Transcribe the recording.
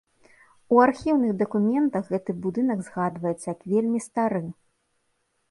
У архіўных дакументах гэты будынак згадваецца як вельмі стары.